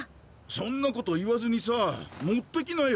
そんなこと言わずにさ持ってきなよ！